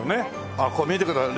あっここ見てください。